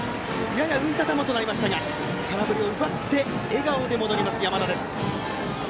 やや浮いた球となりましたが空振りを奪って笑顔で戻ります山田です。